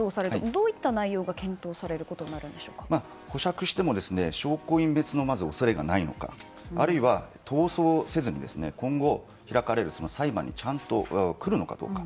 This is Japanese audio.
どういった内容が検討されることに保釈しても証拠隠滅の恐れがないのかあるいは、逃走せずに今後、開かれる裁判にちゃんと来るのかどうか。